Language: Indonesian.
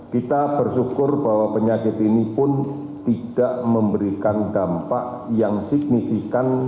kita bersyukur bahwa penyakit ini pun tidak memberikan dampak yang signifikan